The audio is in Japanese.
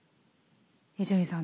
伊集院さん